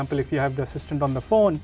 misalnya jika anda memiliki asisten di telefon